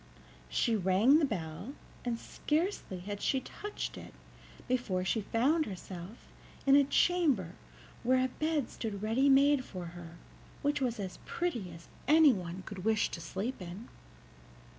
She rang the bell, and scarcely had she touched it before she found herself in a chamber where a bed stood ready made for her, which was as pretty as anyone could wish to sleep in.